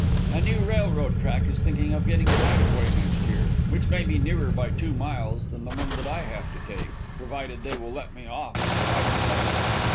A new railroad track is thinking of getting a right of way next year, which may be nearer by two miles than the one that I have to take, provided they will let me off at the right place.